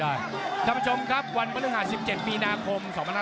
คุณผู้ชมครับวันบริหาร๑๗ปีนาคม๒๕๕๙